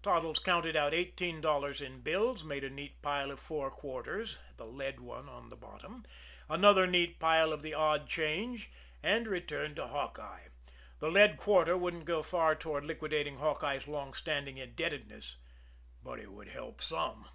Toddles counted out eighteen dollars in bills, made a neat pile of four quarters the lead one on the bottom another neat pile of the odd change, and returned to Hawkeye. The lead quarter wouldn't go very far toward liquidating Hawkeye's long standing indebtedness but it would help some.